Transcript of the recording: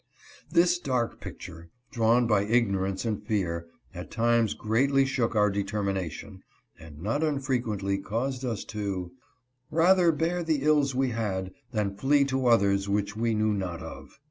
This dark picture, drawn by ignorance and fear, at times greatly shook our determination, and not unfrequently caused us to " Rather bear the ills we had, Than flee to others which we knew not of."